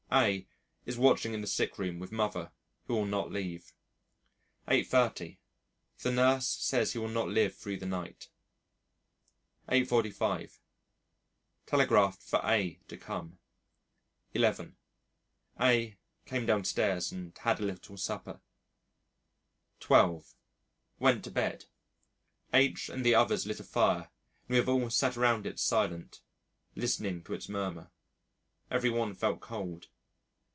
A is watching in the sick room with Mother who will not leave. 8.30. The nurse says he will not live through the night. 8.45. Telegraphed for A to come. 11.00. A came downstairs and had a little supper. 12.00. Went to bed. H and the others lit a fire and we have all sat around it silent, listening to its murmur. Every one felt cold.